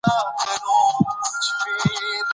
سلیمان غر د معیشت یوه لویه سرچینه ده.